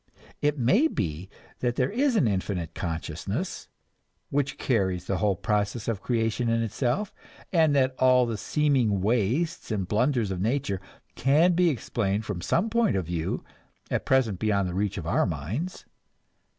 It may be that there is an Infinite Consciousness, which carries the whole process of creation in itself, and that all the seeming wastes and blunders of nature can be explained from some point of view at present beyond the reach of our minds.